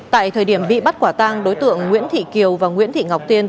tại thời điểm bị bắt quả tang đối tượng nguyễn thị kiều và nguyễn thị ngọc tiên